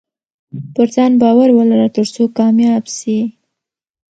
پرځان باور ولره ترڅو کامياب سې